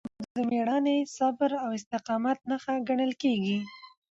پښتو د میړانې، صبر او استقامت نښه ګڼل کېږي.